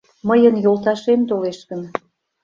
Мыйын йолташем толеш гын